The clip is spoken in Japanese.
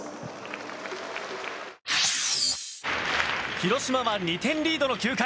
広島は２点リードの９回。